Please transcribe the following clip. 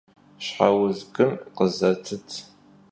Şheuz gın khızetıt!